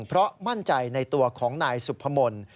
เพราะมั่นใจในตัวของนายสุพมนต์